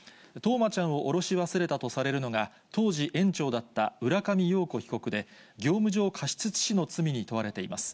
冬生ちゃんを降ろし忘れたとされるのが、当時、園長だった浦上陽子被告で業務上過失致死の罪に問われています。